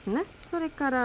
それから。